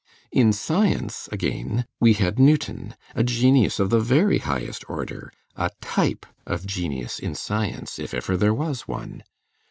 In science, again, we had Newton, a genius of the very highest order, a type of genius in science if ever there was one.